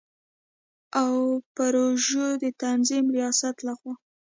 او پروژو د تنظیم ریاست له خوا